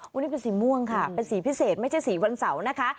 วันนี้เป็นสีม่วงค่ะเป็นสีพิเศษไม่ใช่สีวันเสาร์นะคะ